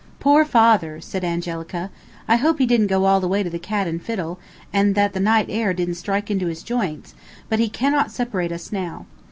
"Poor father," said Angelica, "I hope he didn't go all the way to the Cat and Fiddle, and that the night air didn't strike into his joints; but he cannot separate us now."